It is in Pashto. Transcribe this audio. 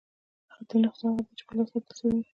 خطي نسخه هغه ده، چي په لاس ليکل سوې يي.